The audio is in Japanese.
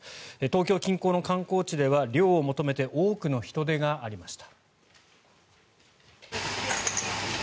東京近郊の観光地では涼を求めて多くの人出がありました。